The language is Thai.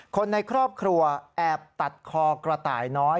คนในครอบครัวแอบตัดคอกระต่ายน้อย